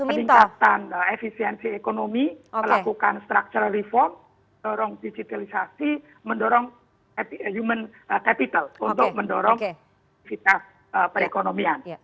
peningkatan efisiensi ekonomi melakukan structual reform mendorong digitalisasi mendorong human capital untuk mendorong aktivitas perekonomian